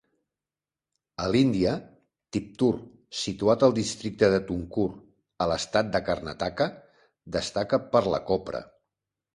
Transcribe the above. A l'Índia, Tiptur, situat al districte de Tumkur a l'estat de Karnataka, destaca per la copra.